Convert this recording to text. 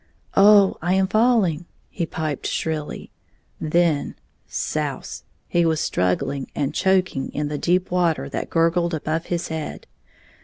"Oh, I am falling!" he piped shrilly. Then — souse! — he was struggling and choking in the deep water that gurgled above his head.